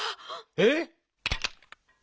えっ？